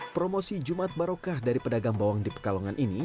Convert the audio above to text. promosi jumat barokah dari pedagang bawang di pekalongan ini